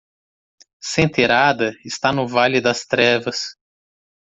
Senterada está no Vale das Trevas.